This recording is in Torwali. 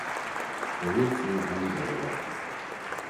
شہیِٕد سی گھن درجا تُھو۔